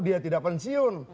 dia tidak pensiun